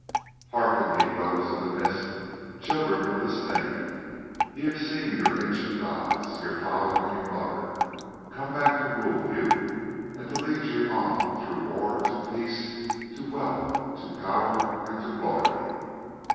"Hearken, ye Dwellers in the Mist, Children of the Snake! Ye have seen your ancient gods, your Father and your Mother, come back to rule you and to lead you on through war to peace, to wealth, to power, and to glory.